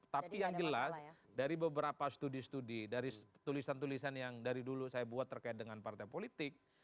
tapi yang jelas dari beberapa studi studi dari tulisan tulisan yang dari dulu saya buat terkait dengan partai politik